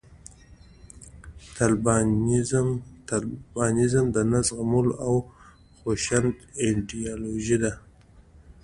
طالبانیزم د نه زغملو او د خشونت ایدیالوژي ده